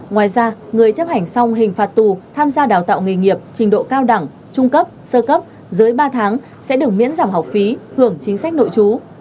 ngoài ra người chấp hành xong hình phạt tù tham gia đào tạo nghề nghiệp trình độ cao đẳng trung cấp sơ cấp dưới ba tháng sẽ được miễn giảm học phí hưởng chính sách nội trú